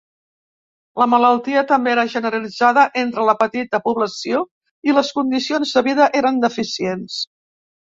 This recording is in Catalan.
La malaltia també era generalitzada entre la petita població i les condicions de vida eren deficients.